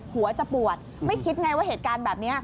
หัวจะปวดไม่คิดไงว่าเหตุการณ์แบบนี้